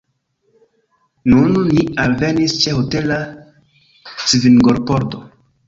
Nun li alvenis ĉe hotela svingopordo.